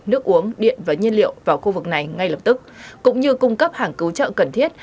nước uống điện và nhiên liệu vào khu vực này ngay lập tức cũng như cung cấp hàng cứu trợ cần thiết